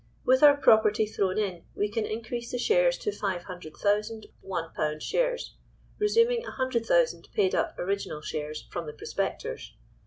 "With our property thrown in we can increase the shares to five hundred thousand one pound shares, resuming a hundred thousand paid up original shares from the prospectors.